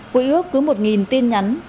quỹ ước cứ một nghìn tin nhắn